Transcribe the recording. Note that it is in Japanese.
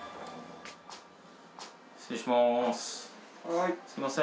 失礼します。